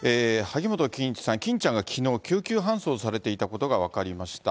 萩本欽一さん、欽ちゃんがきのう、救急搬送されていたことが分かりました。